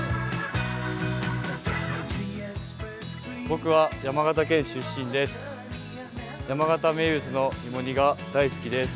僕は山形県出身です。